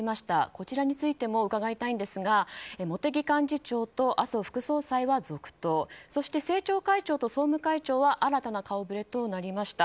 こちらについても伺いたいんですが茂木幹事長と麻生副総裁は続投そして、政調会長と総務会長は新たな顔ぶれとなりました。